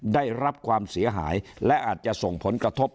ได้รับความเสียหายและอาจจะส่งผลกระทบ